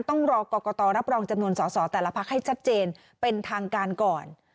ต้องรอกรกตรับรองจำนวนสอสอแต่ละพักให้ชัดเจนเป็นทางการก่อน